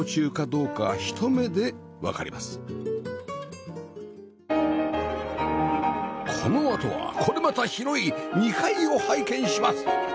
このあとはこれまた広い２階を拝見します！